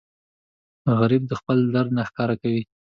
غریب خپل درد نه ښکاره کوي